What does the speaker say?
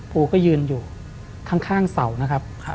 ปูก็ยืนอยู่ข้างเสานะครับ